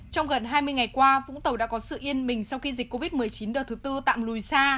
trong gần hai mươi ngày qua vũng tàu đã có sự yên mình sau khi dịch covid một mươi chín đợt thứ tư tạm lùi xa